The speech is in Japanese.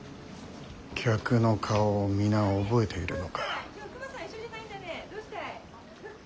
客の顔を皆覚えているのか。